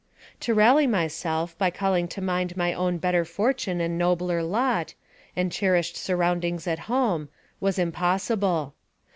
To rally myself by calling to mind my own better fortune and nobler lot, and cherished surroundings at home, was impossible.